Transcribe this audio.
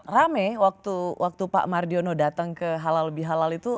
rame waktu pak mardiono datang ke halal bihalal itu